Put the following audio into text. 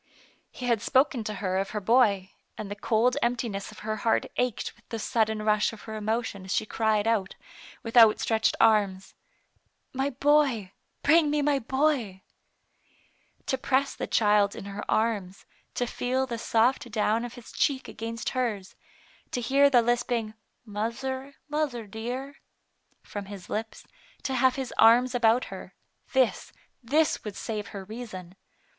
He had spoken to her of her boy, and the cold emptiness Digitized by Google U^ THE PATE OF FENELLA, of her heart ached with the sudden rush of her emotion as she cried out, with outstretched arms : "My boy! bring me my boy!" To press the child in her arms, to feel the soft down of his cheek against hers, to hear the lisping, " Muzzer, muzzer, dear, from his lips, to have his arms about her — this, this would save her reason.